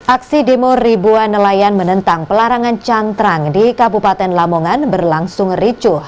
aksi demo ribuan nelayan menentang pelarangan cantrang di kabupaten lamongan berlangsung ricuh